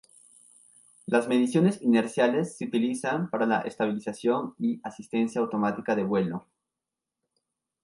Las mediciones inerciales se utilizan para la estabilización y asistencia automática de vuelo.